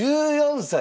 １４歳！